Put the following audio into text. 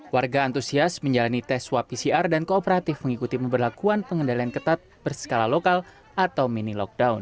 warga antusias menjalani tes swab pcr dan kooperatif mengikuti pemberlakuan pengendalian ketat berskala lokal atau mini lockdown